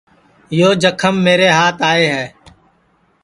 یو جکھم میرے ہات آئے ہے